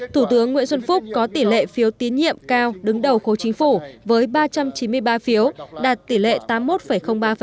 thủ tướng nguyễn xuân phúc có tỷ lệ phiếu tín nhiệm cao đứng đầu khối chính phủ với ba trăm chín mươi ba phiếu đạt tỷ lệ tám mươi một ba